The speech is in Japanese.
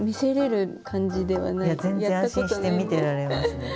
いや全然安心して見てられますね。